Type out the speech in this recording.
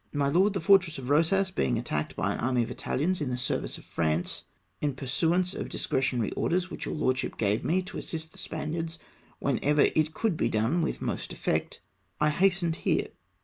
My Lord, — The fortress of Rosas being attacked by an army of ItaUans in the service of France (in pursuance of dis cretionary orders which your lordship gave me, to assist the Spaniards whenever it could be done with most effect), I hastened here.